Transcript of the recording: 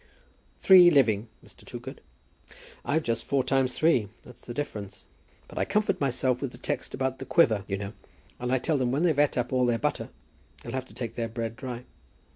"Three living, Mr. Toogood." "I've just four times three; that's the difference. But I comfort myself with the text about the quiver you know; and I tell them that when they've eat up all the butter, they'll have to take their bread dry."